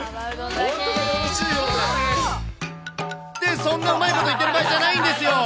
って、そんなうまいこと言ってる場合じゃないんですよ。